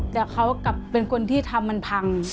แต่เขากลับเป็นคนที่ทำมันพัง